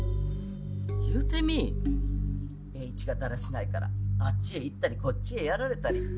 栄一がだらしないからあっちへ行ったりこっちへやられたり。